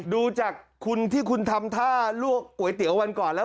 ดูจากคุณที่คุณทำท่าลวกก๋วยเตี๋ยววันก่อนแล้ว